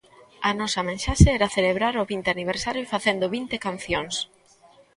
A nosa mensaxe era celebrar o vinte aniversario facendo vinte cancións.